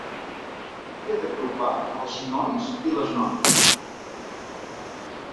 Havia d'agrupar els nois i les noies.